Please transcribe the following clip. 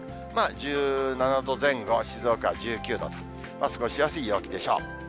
１７度前後、静岡は１９度と、過ごしやすい陽気でしょう。